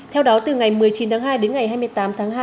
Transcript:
theo đó từ ngày một mươi chín tháng hai đến ngày hai mươi tám tháng hai